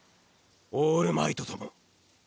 オールマイトとも。